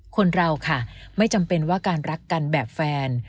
คนเราค่ะไม่จำเป็นว่าการรักกันแบบแฟน